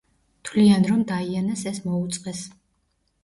თვლიან, რომ დაიანას ეს მოუწყეს.